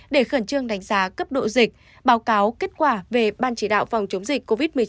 để khẩn trương đánh giá cấp độ dịch báo cáo kết quả về ban chỉ đạo phòng chống dịch covid một mươi chín